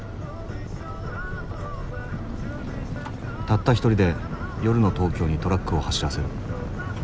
たった一人で夜の東京にトラックを走らせる。